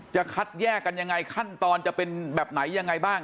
จะคัดแยกกันยังไงขั้นตอนจะเป็นแบบไหนยังไงบ้าง